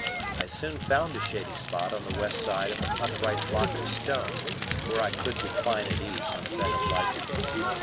I soon found a shady spot on the west side of an upright block of stone where I could recline at ease on a bed of lichen.